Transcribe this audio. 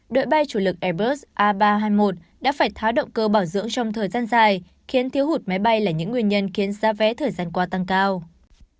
đội bay chủ lực airbus a ba trăm hai mươi một đã phải tháo động cơ bảo dưỡng trong thời gian dài khiến thiếu hụt máy bay là những nguyên nhân khiến giá vé thời gian qua tăng cao